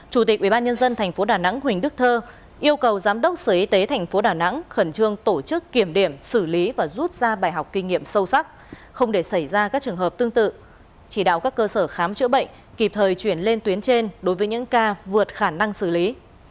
chủ tịch ubnd tp đà nẵng huỳnh đức thơ yêu cầu giám đốc sở y tế tp đà nẵng khẩn trương tổ chức kiểm điểm xử lý và rút ra bài học kinh nghiệm sâu sắc không để xảy ra các trường hợp tương tự chỉ đạo các cơ sở khám chữa bệnh kịp thời chuyển lên tuyến trên đối với những ca vượt khả năng xử lý